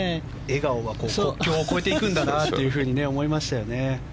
笑顔が国境を越えていくんだと思いましたね。